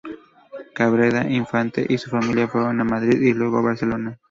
Cabrera Infante y su familia fueron a Madrid y luego a Barcelona.